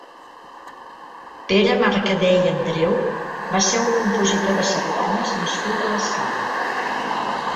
Pere Mercader i Andreu va ser un compositor de sardanes nascut a l'Escala.